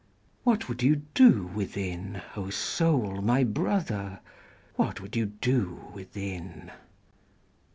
What would you do within, O Soul, my Brother? What would you do within?